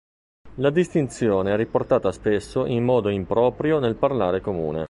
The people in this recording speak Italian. La distinzione è riportata spesso in modo improprio nel parlare comune.